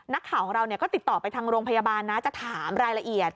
นักข่าวของเราก็ติดต่อไปทางโรงพยาบาลนะจะถามรายละเอียด